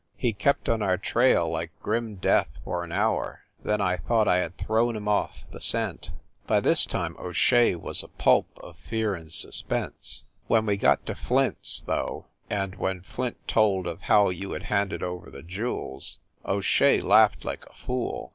He kept on our trail like grim death for an hour, then I thought I had thrown him off the scent. By this time O Shea was a pulp of fear and suspense. When we got to Flint s, though, and when Flint told of how you had handed over the jewels, O Shea laughed like a fool.